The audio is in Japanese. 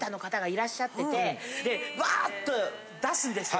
でうわっと出すんですよ。